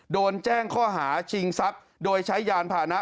โดนแจ้งข้อหาชิงทรัพย์โดยใช้ยานพานะ